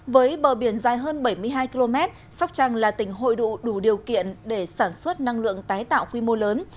với bờ biển dài hơn bảy mươi hai km sóc trăng là tỉnh hội đủ điều kiện để sản xuất năng lượng tái tạo quy mô lớn